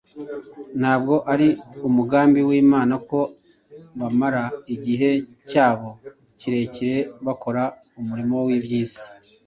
ntabwo ari umugambi w’Imana ko bamara igihe cyabo kirekire bakora umurimo w’iby’isi.